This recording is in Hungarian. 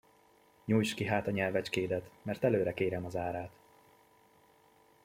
Nyújtsd ki hát a nyelvecskédet, mert előre kérem az árát.